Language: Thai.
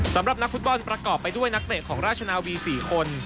สำหรับนักฟุตบอลประกอบไปด้วยนักเตะของราชนาวี๔คน